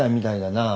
なあ。